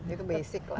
itu basic lah